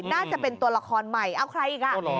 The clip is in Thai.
น่าจะเป็นตัวละครใหม่เอาใครอีกอ่ะ